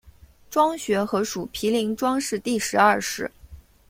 庄学和属毗陵庄氏第十二世。